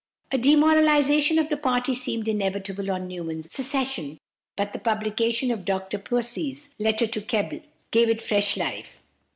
A demoralization of the party seemed inevitable on Newman's secession, but the publication of Dr Pusey's "Letter to Keble" gave it fresh life.